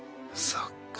そっか。